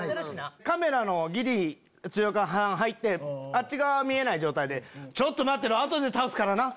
カメラのギリ辻岡さん入ってあっち側見えない状態で「ちょっと待ってろ後で倒すからな」。